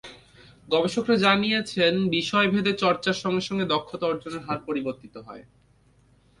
গবেষকেরা জানিয়েছেন, বিষয় ভেদে চর্চার সঙ্গে সঙ্গে দক্ষতা অর্জনের হার পরিবর্তিত হয়।